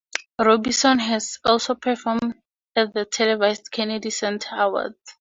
Robinson has also performed at the televised Kennedy Center Awards.